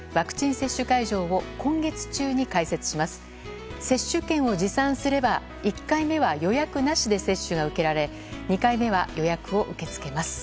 接種券を持参すれば、１回目は予約なしで接種が受けられ２回目は予約を受け付けます。